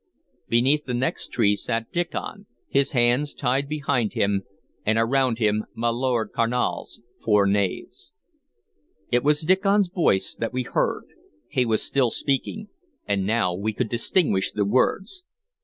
Beneath the next tree sat Diccon, his hands tied behind him, and around him my Lord Carnal's four knaves. It was Diccon's voice that we had heard. He was still speaking, and now we could distinguish the words.